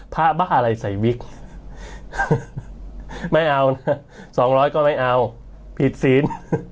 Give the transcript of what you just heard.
พระบ้าอะไรใส่วิกไม่เอานะสองร้อยก็ไม่เอาผิดศีล